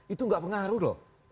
itu nggak pengaruh loh